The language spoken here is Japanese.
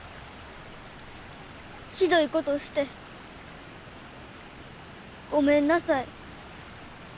ひどいことしてごめんなさい。